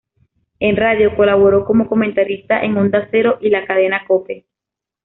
En radio, colaboró como comentarista en Onda Cero y la Cadena Cope.